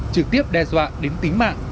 trực tiếp đe dọa đến tính mạng